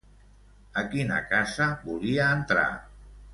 A quina casa volia entrar?